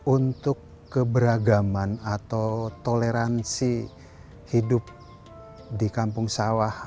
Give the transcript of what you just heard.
untuk keberagaman atau toleransi hidup di kampung sawah